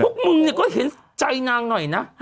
พวกมึงก็เห็นใจนางหน่อยนะ